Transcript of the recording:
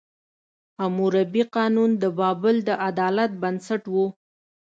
حموربي قانون د بابل د عدالت بنسټ و.